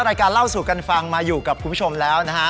รายการเล่าสู่กันฟังมาอยู่กับคุณผู้ชมแล้วนะฮะ